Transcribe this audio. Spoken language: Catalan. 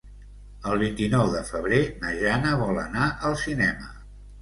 El vint-i-nou de febrer na Jana vol anar al cinema.